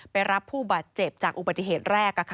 รับผู้บาดเจ็บจากอุบัติเหตุแรก